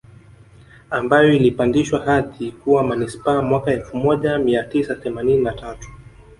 Ambayo ilipandishwa hadhi kuwa Manispaa mwaka elfu moja mia tisa themanini na tatu